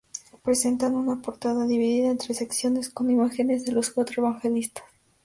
Presenta una portada dividida en tres secciones con imágenes de los cuatro evangelistas.